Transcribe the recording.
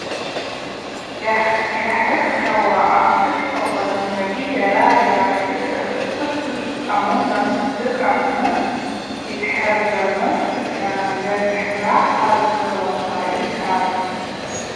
Йахӏрыпхьауа апхӏвыспаква зымгӏвагьи йара йгӏайхъвыцыз Коммуна тдзыкӏ апны йдхӏыргарныс йазхӏрыхӏазыруата йхӏватӏ.